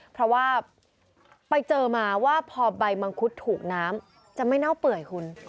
เพราะว่าไปเจอมาว่าพอใบมังคุดถูกน้ำจะไม่เน่าเปื่อยคุณ